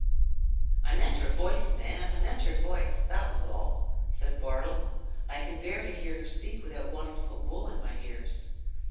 "I meant her voice, man—I meant her voice, that was all," said Bartle. "I can bear to hear her speak without wanting to put wool in my ears.